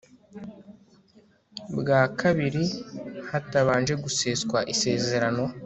bwa kabiri hatabanje guseswa isezerano